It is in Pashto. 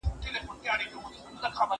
جبري نکاح د هوښيارانو لخوا نه منل کيږي.